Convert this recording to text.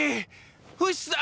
フシさん！